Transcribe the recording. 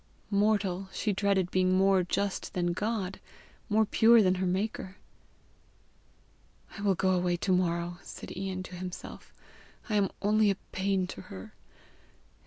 Mortal, she dreaded being more just than God, more pure than her maker! "I will go away to morrow!" said Ian to himself. "I am only a pain to her.